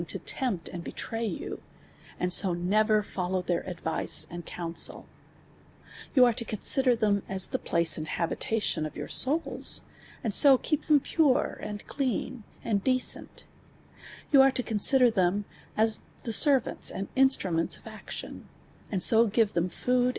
259 lo tempt and botiay yon, ami so novor lollovv tluMrml vice and counsel ; you air to consider them as the place and hahiiahon «>! your soals. and so keep them pare, and clean, ami decent ; v<ni are to consider them as the servants and instrninents of action, and so {•ivt* tin in lood.